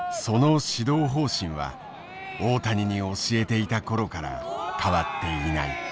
その指導方針は大谷に教えていた頃から変わっていない。